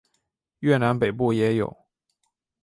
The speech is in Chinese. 越南北部也有。